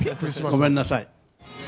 ごめんなさい。